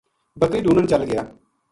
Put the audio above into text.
بکری ڈھُونڈن چل گیا